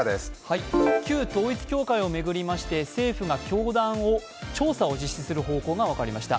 旧統一教会を巡りまして政府が教団の調査を実施する方向が分かりました。